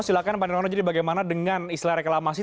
silahkan pak nirwana jadi bagaimana dengan istilah reklamasi